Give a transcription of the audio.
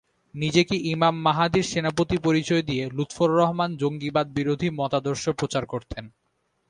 নিজেকে ইমাম মাহাদীর সেনাপতি পরিচয় দিয়ে লুত্ফর রহমান জঙ্গিবাদবিরোধী মতাদর্শ প্রচার করতেন।